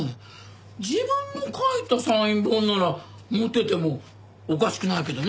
自分の書いたサイン本なら持っててもおかしくないけどね。